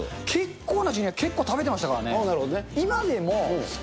結構な味、結構食べてましたからね。